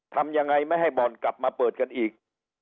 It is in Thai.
ทำยังไงไม่ให้บ่อนกลับมาเปิดกันอีก